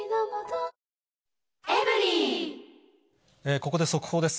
ここで速報です。